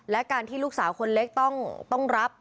และการที่ลูกสาวคนเล็กต้องรับ